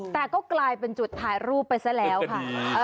แต่ก็กลายเป็นจุดถ่ายรูปไปซะแล้วค่ะ